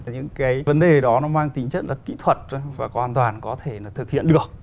những cái vấn đề đó nó mang tính chất là kỹ thuật và hoàn toàn có thể thực hiện được